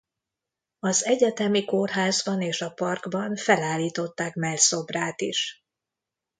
Az egyetemi kórházban és a parkban felállították mellszobrát is.